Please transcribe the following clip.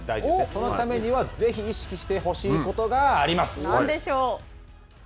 そのためにはぜひ意識してほしいことがあります。